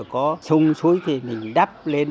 có sông xuống thì mình đắp lên